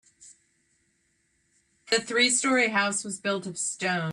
The three story house was built of stone.